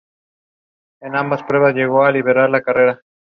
Elementos como aluminio, calcio y sodio son igualmente deficitarios.